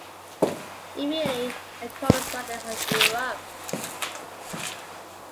Immediately, a cult surrounding her grew up.